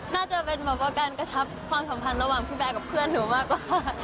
น่าจะเป็นแบบว่าการกระชับความสัมพันธ์ระหว่างพี่แบร์กับเพื่อนหนูมากกว่า